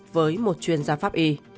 với một chuyên gia pháp y